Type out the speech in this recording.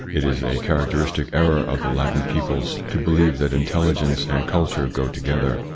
It is a characteristic error of the Latin peoples to believe that intelligence and culture go together.